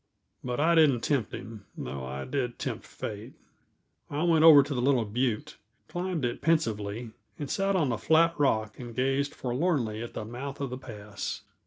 But I didn't tempt him, though I did tempt fate. I went over to the little butte, climbed it pensively, and sat on the flat rock and gazed forlornly at the mouth of the pass.